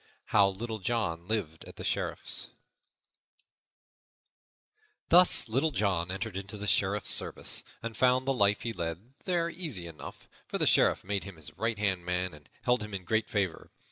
How Little John Lived at the Sheriff's THUS LITTLE JOHN entered into the Sheriff's service and found the life he led there easy enough, for the Sheriff made him his right hand man and held him in great favor.